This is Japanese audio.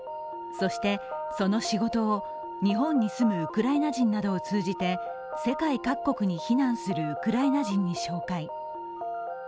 そして、その仕事を日本に住むウクライナ人などを通じて世界各国に避難するウクライナ人に紹介。